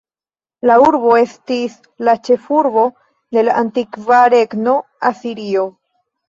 La urbo estis la ĉefurbo de la antikva regno Asirio.